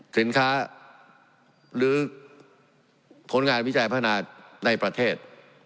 สินค้าหรือผลงานวิจัยพัฒนาในประเทศ